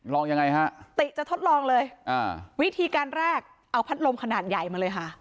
ยังไงฮะติจะทดลองเลยอ่าวิธีการแรกเอาพัดลมขนาดใหญ่มาเลยค่ะ